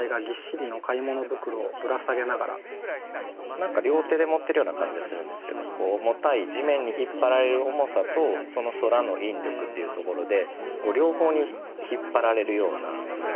何か両手で持ってるような感じがするんですけど重たい地面に引っ張られる重さとその空の引力っていうところで両方に引っ張られるような背筋が伸びるような。